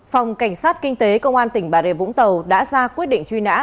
phòng cảnh sát kinh tế công an tp hcm đã ra quyết định truy nã